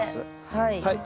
はい。